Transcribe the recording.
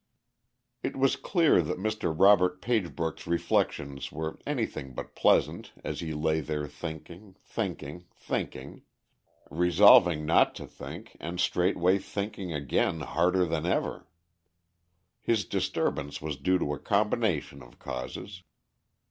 '"] It was clear that Mr. Robert Pagebrook's reflections were anything but pleasant as he lay there thinking, thinking, thinking resolving not to think and straightway thinking again harder than ever. His disturbance was due to a combination of causes.